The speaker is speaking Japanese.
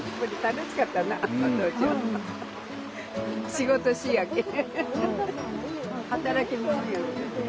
仕事しいやけん。